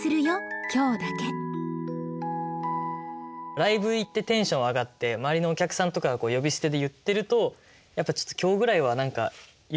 ライブ行ってテンション上がって周りのお客さんとかが呼び捨てで言ってるとやっぱちょっと今日ぐらいは何か許されるかなみたいな。